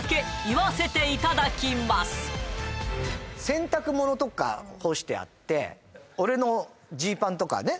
洗濯物とか干してあって俺のジーパンとかね